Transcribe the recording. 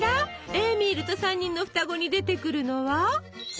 「エーミールと三人のふたご」に出てくるのは？